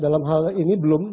dalam hal ini belum